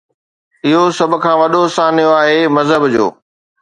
اهو سڀ کان وڏو سانحو آهي مذهب جو.